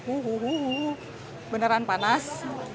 uhuhuhu beneran panas